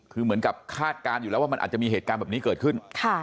คือเหมือนกับคาดการณ์อยู่แล้วว่ามันอาจจะมีเหตุการณ์แบบนี้เกิดขึ้น